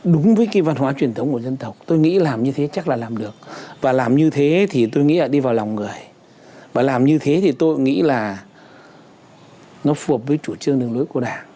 đúng với cái văn hóa truyền thống của dân tộc tôi nghĩ làm như thế chắc là làm được và làm như thế thì tôi nghĩ là đi vào lòng người và làm như thế thì tôi nghĩ là nó phù hợp với chủ trương đường lối của đảng